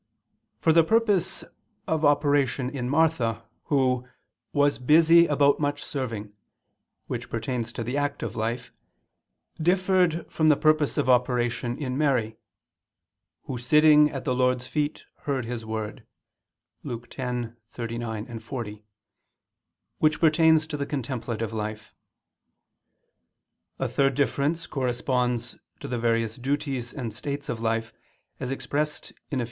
For the purpose of operation in Martha, who "was busy about much serving," which pertains to the active life, differed from the purpose of operation in Mary, "who sitting ... at the Lord's feet, heard His word" (Luke 10:39, 40), which pertains to the contemplative life. A third difference corresponds to the various duties and states of life, as expressed in Eph.